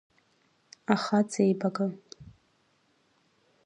Ахаҵеибага…